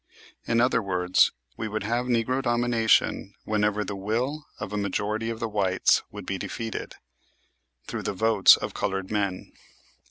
In other words, we would have "Negro Domination" whenever the will of a majority of the whites would be defeated through the votes of colored men.